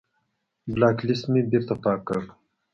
بلاک لست مې بېرته پاک کړ.